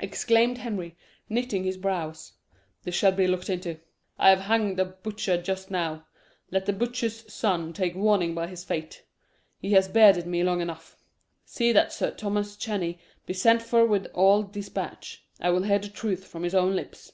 exclaimed Henry, knitting his brows. "This shall be looked into. I have hanged a butcher just now. Let the butcher's son take warning by his fate. He has bearded me long enough. See that Sir Thomas Cheney be sent for with all despatch. I will hear the truth from his own lips."